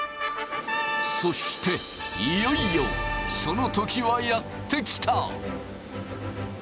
そしていよいよその時はやって来た！